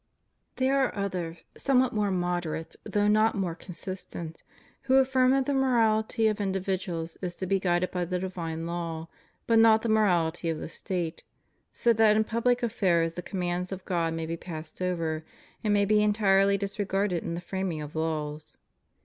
There are others, somewhat more moderate though not more consistent, who affirm that the morality of indi viduals is to be guided by the divine law, but not the morahty of the State, so that in public affairs the com mands of God may be passed over, and may be entirely disregarded in the framing of laws.